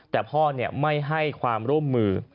แต่พ่อไม่ให้ความร่วมมือ